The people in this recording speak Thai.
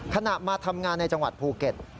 มาทำงานในจังหวัดภูเก็ต